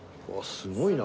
すごいな！